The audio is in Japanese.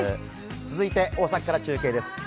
続いて大阪から中継です。